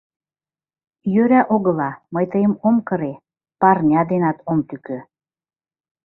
— Йӧра огыла, мый тыйым ом кыре, парня денат ом тӱкӧ...